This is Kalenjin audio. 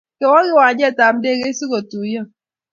Kowo kiwanjet ap ndeget si kotuyon